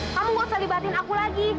kamu nggak usah dibatuin aku lagi